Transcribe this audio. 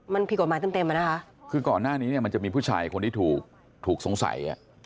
มันผิดกฎหมายเต็มเต็มอ่ะนะคะคือก่อนหน้านี้เนี่ยมันจะมีผู้ชายคนที่ถูกถูกสงสัยอ่ะ